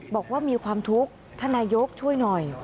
บอกว่ามีความทุกข์ท่านนายกช่วยหน่อย